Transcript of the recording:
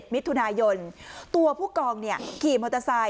๒๗มิถุนายนตัวผู้กองเนี่ยขี่มอเตอร์ไซค์